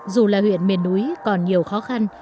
dù là huyện miền núi còn nhiều khó khăn